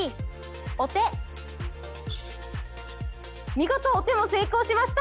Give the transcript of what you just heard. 見事お手も成功しました！